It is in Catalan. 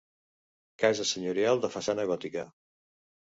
Casa senyorial de façana gòtica.